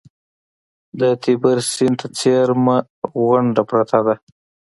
د تیبر سیند ته څېرمه غونډه پرته ده.